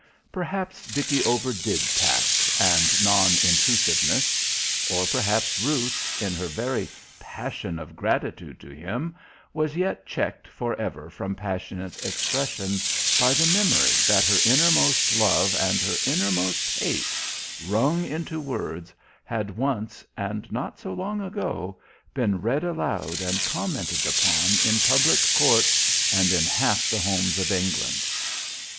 Perhaps Dickie overdid tact and non intrusiveness; or perhaps Ruth, in her very passion of gratitude to him, was yet checked for ever from passionate expression by the memory that her innermost love and her innermost hate, wrung into words, had once, and not so long ago, been read aloud and commented upon in public court and in half the homes of England.